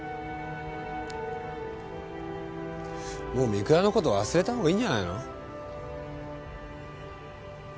もう御倉のこと忘れたほうがいいんじゃないの？